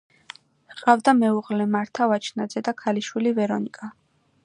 ჰყავდა მეუღლე მართა ვაჩნაძე და ქალიშვილი ვერონიკა.